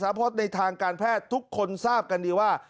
เพราะในทางการแพทย์ทุกคนทราบกันดีว่า